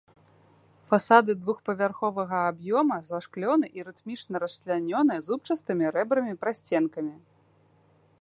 Фасады двухпавярховага аб'ёма зашклёны і рытмічна расчлянёны зубчастымі рэбрамі-прасценкамі.